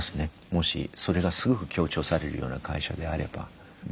もしそれがすごく強調されるような会社であれば。